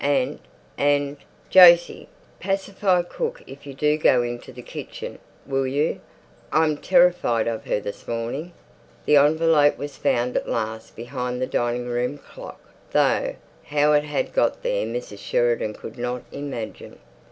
And—and, Jose, pacify cook if you do go into the kitchen, will you? I'm terrified of her this morning." The envelope was found at last behind the dining room clock, though how it had got there Mrs. Sheridan could not imagine.